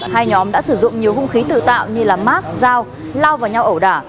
hai nhóm đã sử dụng nhiều hung khí tự tạo như mát dao lao vào nhau ẩu đả